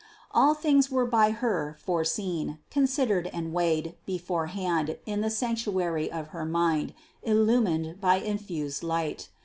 All things were by Her foreseen, considered and weighed beforehand in the sanctuary of her mind, illumined by infused light.